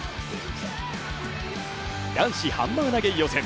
男子ハンマー投予選。